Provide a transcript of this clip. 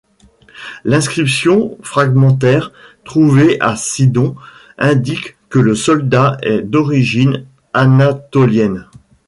L'inscription, fragmentaire, trouvée à Sidon indique que le soldat est d'origine anatolienne.